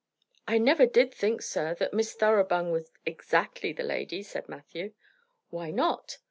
"I never did think, sir, that Miss Thoroughbung was exactly the lady," said Matthew. "Why not?"